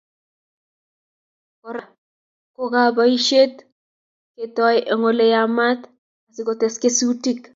Kora ko kobisisiet ketoi eng Ole yamat asikotes kesutik